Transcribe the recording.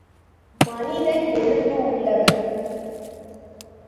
மனிதன், எலும்பு உள்ளவன்!